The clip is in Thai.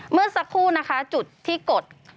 เมื่อสักครู่นะคะจุดที่กด